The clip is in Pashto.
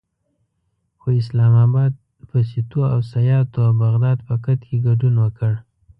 خو اسلام اباد په سیتو او سیاتو او بغداد پکت کې ګډون وکړ.